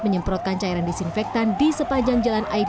menyemprotkan cairan disinfektan di sepanjang jalan air